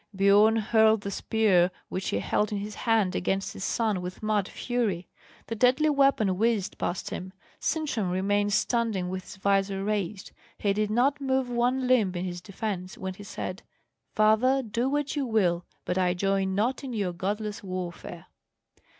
Biorn hurled the spear which he held in his hand against his son with mad fury. The deadly weapon whizzed past him: Sintram remained standing with his visor raised, he did not move one limb in his defence, when he said: "Father, do what you will; but I join not in your godless warfare."